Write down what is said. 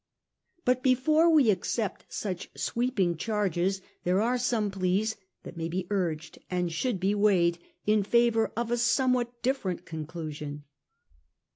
But before we accept such sweeping charges there are some pleas that maybe urged, and should be weighed, in favour of a somewhat different conclusion.